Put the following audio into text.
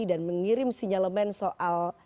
dan mengirim sinyalemen soal